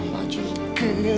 mau ambil beli beli